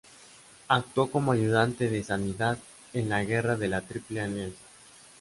Actuó como ayudante de sanidad en la Guerra de la Triple Alianza.